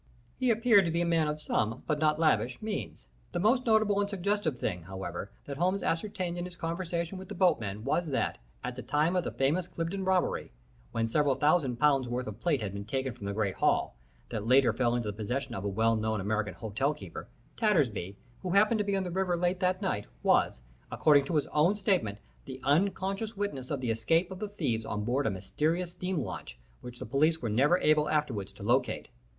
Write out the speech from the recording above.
He appeared to be a man of some, but not lavish, means. The most notable and suggestive thing, however, that Holmes ascertained in his conversation with the boatmen was that, at the time of the famous Cliveden robbery, when several thousand pounds' worth of plate had been taken from the great hall, that later fell into the possession of a well known American hotel keeper, Tattersby, who happened to be on the river late that night, was, according to his own statement, the unconscious witness of the escape of the thieves on board a mysterious steam launch, which the police were never able afterwards to locate.